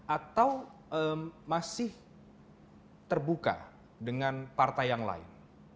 atau masih terbuka dengan partai yang lain